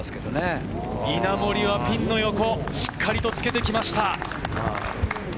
ピンの横、しっかりとつけてきました。